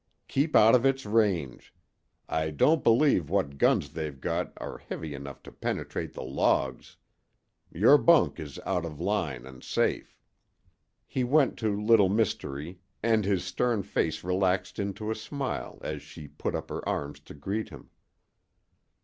"Keep out of its range. I don't believe what guns they've got are heavy enough to penetrate the logs. Your bunk is out of line and safe." He went to Little Mystery, and his stern face relaxed into a smile as she put up her arms to greet him.